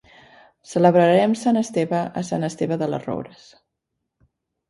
Celebrarem Sant Esteve a Sant Esteve de les Roures.